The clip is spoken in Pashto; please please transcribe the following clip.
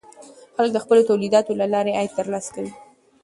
خلک د خپلو تولیداتو له لارې عاید ترلاسه کوي.